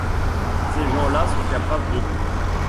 Ces gens-là sont capables de tout !